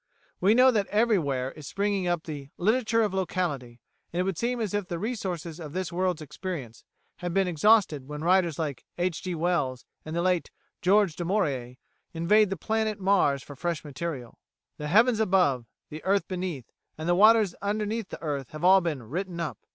We know that everywhere is springing up the "literature of locality," and it would seem as if the resources of this world's experience had been exhausted when writers like Mr H. G. Wells and the late George Du Maurier invade the planet Mars for fresh material. The heavens above, the earth beneath, and the waters under the earth have all been "written up."